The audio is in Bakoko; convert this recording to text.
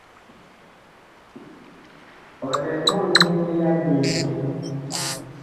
Ɔ lɛ mɔɔn ya yee ?